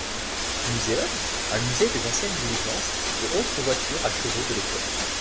Museum, un musée des anciennes diligences et autres voitures à chevaux de l'époque.